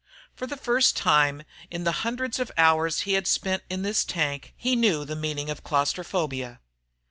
For the first time in the hundreds of hours he'd spent in the tank, he knew the meaning of claustrophobia.